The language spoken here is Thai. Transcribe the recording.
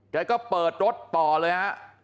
แกก็เปิดรถต่อเลยฮะ